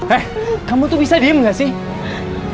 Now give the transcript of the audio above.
eh kamu tuh bisa diem gak sih